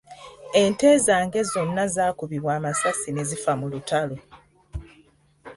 Ente zange zonna zaakubibwa amasasi ne zifa mu lutalo .